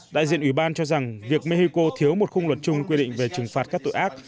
đại diện ủy ban cho rằng việc mexico thiếu một khung luật chung quy định về trừng phạt các tội ác